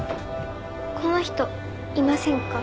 この人いませんか？